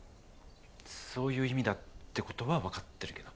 そういう意味だってことは分かってるけど。